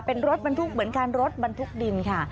เป็นรถบรรทุกเหมือนกันรถบรรทุกดินค่ะ